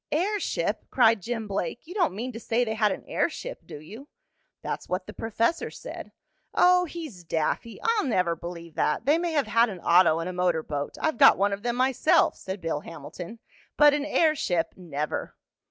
"Airship!" cried Jim Blake. "You don't mean to say they had an airship, do you?" "That's what the professor said." "Oh, he's daffy! I'll never believe that. They may have had an auto and a motor boat I've got one of them myself," said Bill Hamilton. "But an airship never!"